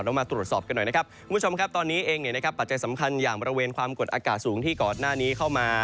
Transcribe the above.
มาตรวจสอบกันหน่อยนะครับคุณผู้ชมครับตอนนี้เองปัจจัยสำคัญอย่างบริเวณความกดอากาศสูงที่ก่อนหน้านี้เข้ามา